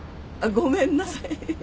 ごめんなさい。